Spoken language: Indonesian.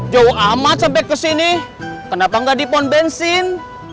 jauh amat sampe kesini kenapa nggak di pond bensin